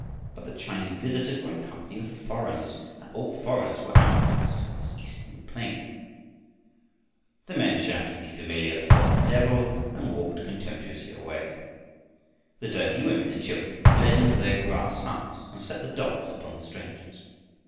But the Chinese visitors were in company with the foreigners, and all foreigners were outcaste in this eastern plain. The men shouted the familiar "foreign devil" and walked contemptuously away. The dirty women and children fled into their grass huts and set the dogs upon the strangers.